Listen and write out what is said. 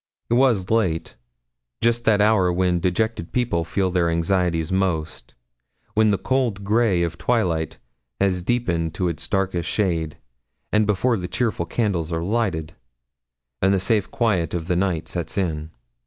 It was late just that hour when dejected people feel their anxieties most when the cold grey of twilight has deepened to its darkest shade, and before the cheerful candles are lighted, and the safe quiet of the night sets in.